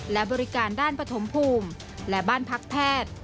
และบริการด้านปฐมภูมิและบ้านพักแพทย์